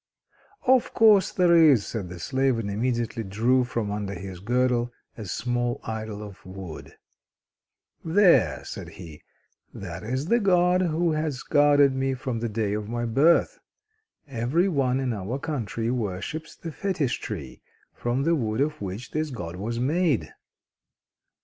"Of course there is," said the slave, and immediately drew from under his girdle a small idol of wood. "There," said he, "that is the God who has guarded me from the day of my birth. Every one in our country worships the fetish tree, from the wood of which this God was made."